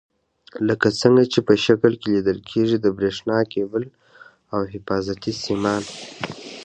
لکه څنګه چې په شکل کې لیدل کېږي د برېښنا کیبل او حفاظتي سیمان.